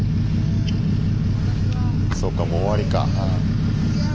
そっかもう終わりか。